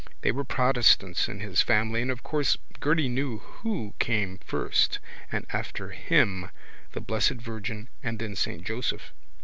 They were protestants in his family and of course Gerty knew Who came first and after Him the Blessed Virgin and then Saint Joseph.